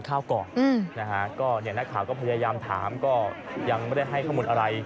ก็เนี่ยนักข่าวก็พยายามถามก็ยังไม่ได้ให้ข้อมูลอะไร